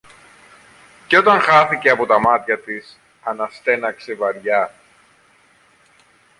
Και όταν χάθηκε από τα μάτια της, αναστέναξε βαριά